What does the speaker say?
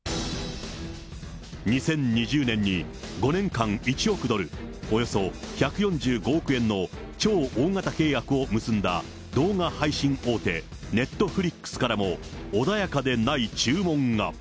２０２０年に５年間１億ドル、およそ１４５億円の超大型契約を結んだ動画配信大手、ネットフリックスからも、穏やかでない注文が。